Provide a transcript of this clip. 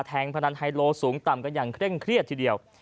งพนันไฮโลสูงต่ำกันอย่างเคร่งเครียดทีเดียว